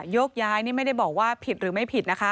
ยกย้ายนี่ไม่ได้บอกว่าผิดหรือไม่ผิดนะคะ